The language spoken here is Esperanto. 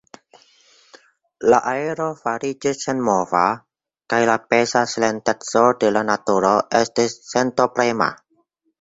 La aero fariĝis senmova, kaj la peza silenteco de la naturo estis sentoprema.